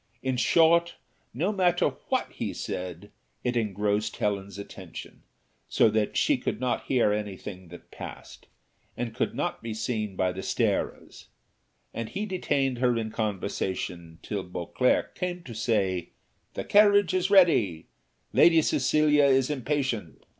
In short, no matter what he said, it engrossed Helen's attention, so that she could not hear any thing that passed, and could not be seen by the starers; and he detained her in conversation till Beauclerc came to say "The carriage is ready, Lady Cecilia is impatient."